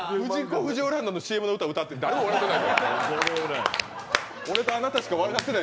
不二雄ランドのＣＭを歌っても誰も分からない。